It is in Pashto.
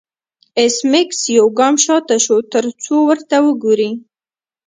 ایس میکس یو ګام شاته شو ترڅو ورته وګوري